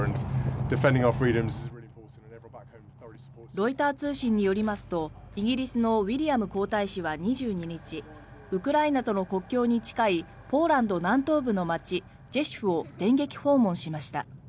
ロイター通信によりますとイギリスのウィリアム皇太子は２２日ウクライナとの国境に近いポーランド南東部の街ジェシュフを電撃訪問しました。